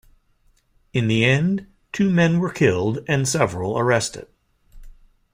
In the end, two men were killed and several arrested.